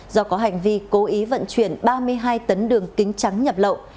do có hành vi cố ý vận chuyển ba mươi hai tấn đường kính trắng nhập lậu